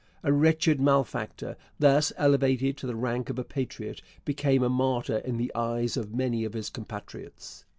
A wretched malefactor, thus elevated to the rank of a patriot, became a martyr in the eyes of many of his compatriots.